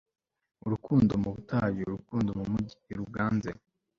Urukundo mu butayu urukundo mumijyi ni ruganze